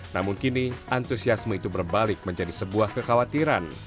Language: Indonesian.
namun kini antusiasme itu berbalik menjadi sebuah kekhawatiran